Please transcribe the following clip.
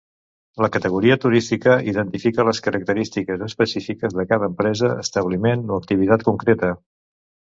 La categoria turística identifica les característiques específiques de cada empresa, establiment o activitat concreta.